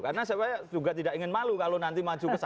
karena saya juga tidak ingin malu kalau nanti maju ke sana